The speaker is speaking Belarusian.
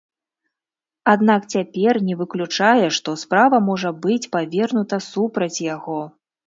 Аднак цяпер не выключае, што справа можа быць павернута супраць яго.